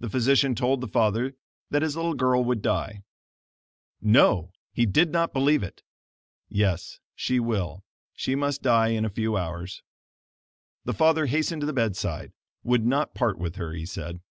The physician told the father that his little girl would die. No! he did not believe it. Yes, she will she must die in a few hours. The father hastened to the bedside; would not part with her, he said.